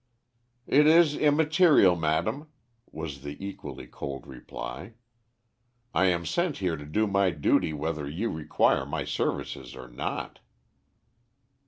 "It is immaterial, madame," was the equally cold reply. "I am sent here to do my duty whether you require my services or not."